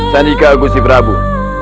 danikan kusip rabu